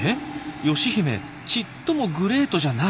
義姫ちっともグレートじゃない。